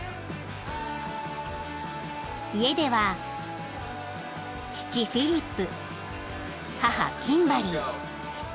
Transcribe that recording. ［家では父フィリップ母キンバリー］